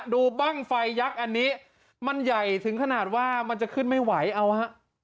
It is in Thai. บ้างไฟยักษ์อันนี้มันใหญ่ถึงขนาดว่ามันจะขึ้นไม่ไหวเอาฮะ